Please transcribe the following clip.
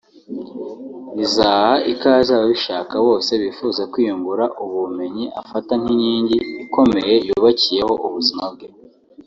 rizaha ikaze ababishaka bose bifuza kwiyungura ubu bumenyi afata nk’inkingi ikomeye yubakiyeho ubuzima bwe